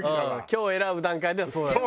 今日選ぶ段階ではそうなんだ。